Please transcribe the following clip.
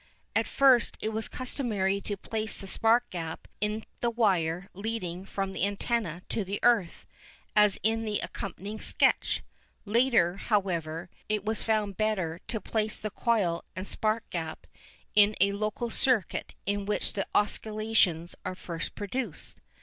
At first it was customary to place the spark gap in the wire leading from the antenna to the earth, as in the accompanying sketch. Later, however, it was found better to place the coil and spark gap in a local circuit in which the oscillations are first produced.